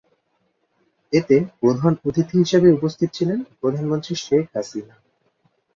এতে প্রধান অতিথি হিসেবে উপস্থিত ছিলেন প্রধানমন্ত্রী শেখ হাসিনা।